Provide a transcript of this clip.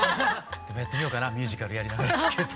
やってみようかなミュージカルやりながらスケート。